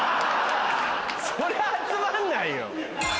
そりゃ集まんないよ。